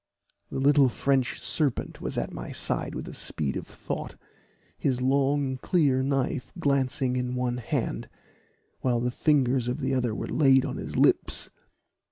The little French serpent was at my side with the speed of thought, his long clear knife glancing in one hand, while the fingers of the other were laid on his lips.